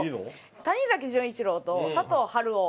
谷崎潤一郎と佐藤春夫